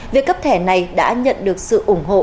việc cấp thẻ này đã nhận được sự ủng hộ